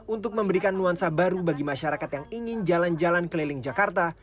untuk memberikan nuansa baru bagi masyarakat yang ingin jalan jalan keliling jakarta